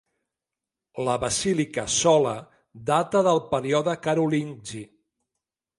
La Basílica Sola data del període carolingi.